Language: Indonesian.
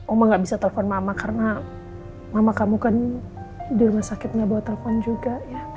oma gak bisa telepon mama karena mama kamu kan di rumah sakitnya bawa telepon juga ya